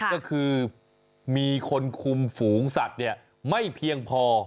ก็คือมีคนคุมฝูงสัตว์ไม่เพียงพอ